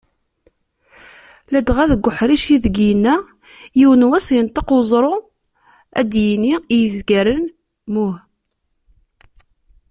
Ladɣa deg uḥric ideg yenna, "Yiwen wass yenṭeq uẓru, ad d-yini i yizgaren mmuh".